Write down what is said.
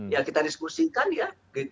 ya kita diskusikan ya